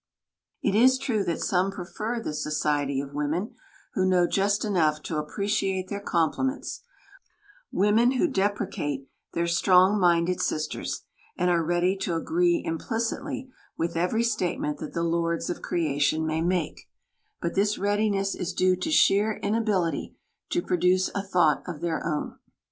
It is true that some prefer the society of women who know just enough to appreciate their compliments women who deprecate their "strong minded" sisters, and are ready to agree implicitly with every statement that the lords of creation may make; but this readiness is due to sheer inability to produce a thought of their own.